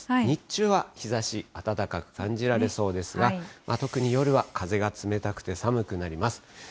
日中は日ざし、暖かく感じられそうですが、特に夜は風が冷たくて、寒くなります。